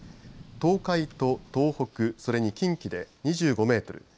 東海と東北、それに近畿で２５メートル